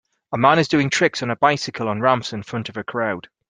A man is doing tricks on a bicycle on ramps in front of a crowd.